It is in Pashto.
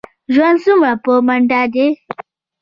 ژوند څومره په منډه دی.